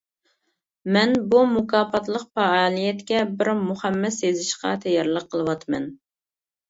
مەن بۇ مۇكاپاتلىق پائالىيەتكە بىر مۇخەممەس يېزىشقا تەييارلىق قىلىۋاتىمەن.